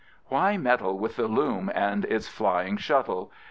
Why meddle with the loom and its flying shuttle?